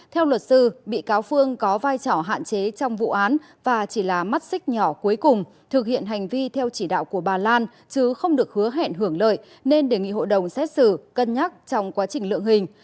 theo luật sư bị cáo phương có vai trò hạn chế trong vụ án và chỉ là mắt xích nhỏ cuối cùng thực hiện hành vi theo chỉ đạo của bà lan chứ không được hứa hẹn hưởng lợi nên đề nghị hội đồng xét xử cân nhắc trong quá trình lượng hình